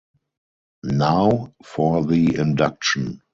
Now, for the induction.